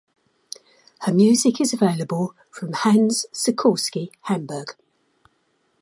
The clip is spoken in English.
Her music is available from Hans Sikorski, Hamburg.